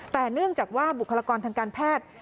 แต่เนื่องจากว่าบุคลากรทางการแพทย์